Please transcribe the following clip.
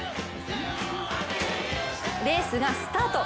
レースがスタート！